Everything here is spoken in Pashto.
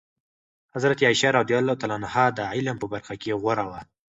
حضرت عایشه رضي الله عنها د علم په برخه کې غوره وه.